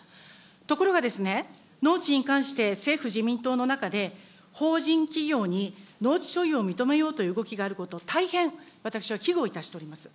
ところがですね、農地に関して政府・自民党の中で、法人企業に農地所有を認めようという動きがあることを大変、私は危惧をいたしております。